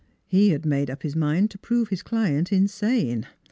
He had made up his mind to prove his client insane.